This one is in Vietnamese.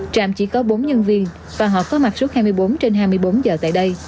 trạm chỉ có bốn nhân viên và họ có mặt suốt hai mươi bốn trên hai mươi bốn giờ tại đây